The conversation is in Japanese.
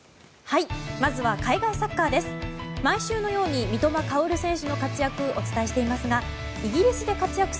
まずは海外サッカーです。